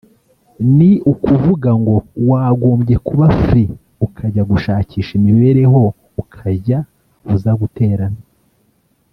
ni ukuvuga ngo wagombye kuba free ukajya gushakisha imibereho ukajya uza guterana